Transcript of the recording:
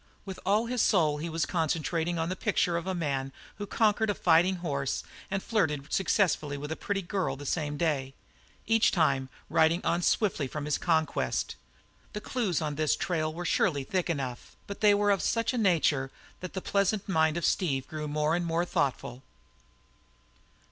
With all his soul he was concentrating on the picture of the man who conquered a fighting horse and flirted successfully with a pretty girl the same day; each time riding on swiftly from his conquest. The clues on this trail were surely thick enough, but they were of such a nature that the pleasant mind of Steve grew more and more thoughtful.